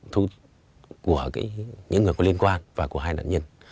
thu của những người có liên quan và của hai nạn nhân